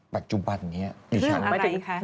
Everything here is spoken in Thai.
ปัจจุบันนี้หรือฉัน